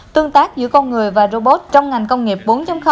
tương tác giữa con người và robot trong ngành công nghiệp bốn